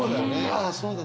あそうだ